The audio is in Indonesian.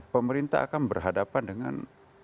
pemerintah akan berhadapan dengan